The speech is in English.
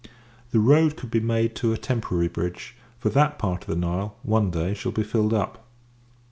The road can be made to a temporary bridge; for that part of the Nile, one day, shall be filled up.